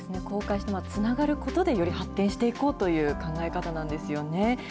公開して、つながることで、より発展していこうという考え方なんですよね。